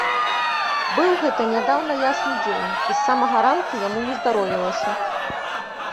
Быў гэта нядаўна ясны дзень, і з самага ранку яму нездаровілася.